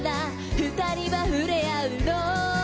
「２人はふれあうの」